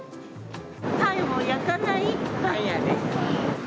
パンを焼かないパン屋です。